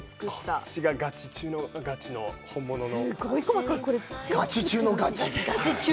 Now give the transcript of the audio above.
こっちがガチ中のガチ、本物の。